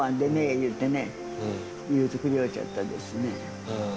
言うてね、言うてくれよっちゃですね。